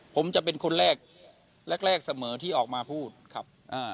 ผมจะเป็นคนแรกแรกเสมอที่ออกมาพูดครับ